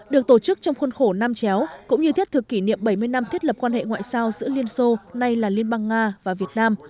được tổ chức trong khuôn khổ nam chéo cũng như thiết thực kỷ niệm bảy mươi năm thiết lập quan hệ ngoại giao giữa liên xô nay là liên bang nga và việt nam